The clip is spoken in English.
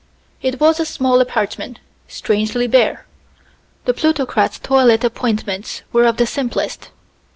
It was a small apartment, strangely bare. The plutocrat's toilet appointments were of the simplest.